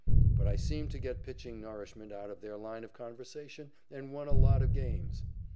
But I seemed to get pitching nourishment out of their line of conversation and won a lot of games.